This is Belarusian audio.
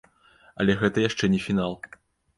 Але гэта яшчэ не фінал!